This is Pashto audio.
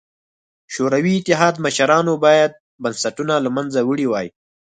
شوروي اتحاد مشرانو باید بنسټونه له منځه وړي وای.